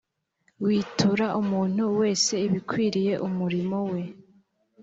witura umuntu wese ibikwiriye umurimo we